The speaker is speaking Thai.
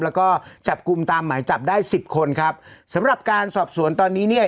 แล้วก็จับกลุ่มตามหมายจับได้สิบคนครับสำหรับการสอบสวนตอนนี้เนี่ย